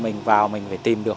mình vào mình phải tìm được